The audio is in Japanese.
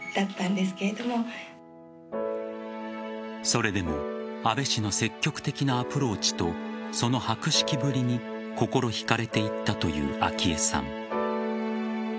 それでも安倍氏の積極的なアプローチとその博識ぶりに心引かれていったという昭恵さん。